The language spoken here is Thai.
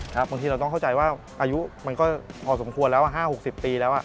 บางทีเราต้องเข้าใจว่าอายุมันก็พอสมควรแล้ว๕๖๐ปีแล้ว